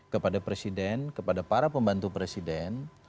kepada presiden kepada para pembantu presiden